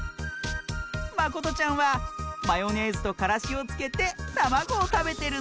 まことちゃんはマヨネーズとからしをつけてたまごをたべてるんだって！